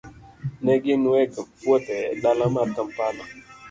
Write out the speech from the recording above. Ne gin weg puothe e dala mar Kampala.